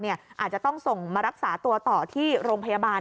อาจจะต้องส่งมารักษาตัวต่อที่โรงพยาบาล